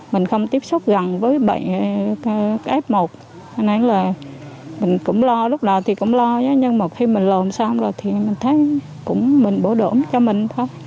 mình cũng lo lúc nào thì cũng lo nhé nhưng mà khi mình lộn xong rồi thì mình thấy cũng mình bổ đổn cho mình thôi